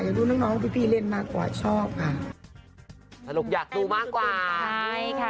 ดูน้องน้องพี่พี่เล่นมากกว่าชอบค่ะสรุปอยากดูมากกว่าใช่ค่ะ